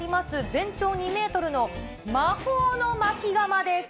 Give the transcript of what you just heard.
全長２メートルの魔法のまき窯です。